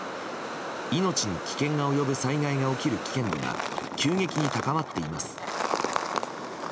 命の危険が及ぶ災害が起きる危険度が急激に高まっています。